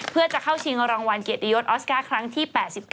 เพื่อจะเข้าชิงรางวัลเกียรติยศออสการ์ครั้งที่๘๙